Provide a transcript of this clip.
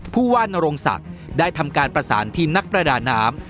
ผู้ว่านโรงศักดิ์ได้ทำการประสานทีมนักประดาน้ำ